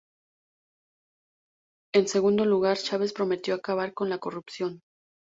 En segundo lugar, Chávez prometió acabar con la corrupción.